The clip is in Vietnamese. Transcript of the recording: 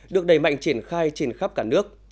được đầy mạnh triển khai trên khắp cả nước